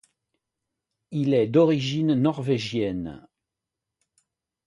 Il est d'origine norvégienne.